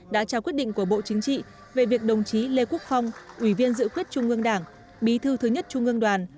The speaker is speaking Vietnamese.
đã trao quyết định của bộ chính trị về việc đồng chí lê quốc phong ủy viên dự quyết trung ương đảng bí thư thứ nhất trung ương đoàn